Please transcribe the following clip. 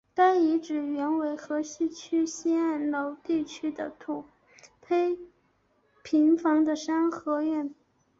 该遗址原为河西区西南楼地区的土坯平房的三合院。